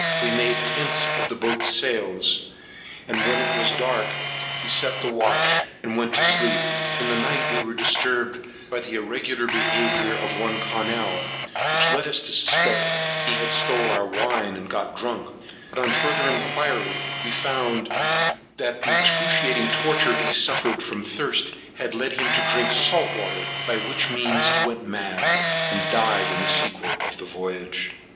We made tents of the boats' sails; and when it was dark, we set the watch, and went to sleep. In the night we were disturbed by the irregular behaviour of one Connell, which led us to suspect he had stole our wine, and got drunk; but, on further inquiry, we found that the excruciating torture he suffered from thirst led him to drink salt water; by which means he went mad, and died in the sequel of the voyage.